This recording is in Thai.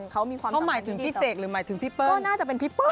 เขามีความสำคัญที่สุดเขาหมายถึงพี่เสกหรือหมายถึงพี่เปิ้ล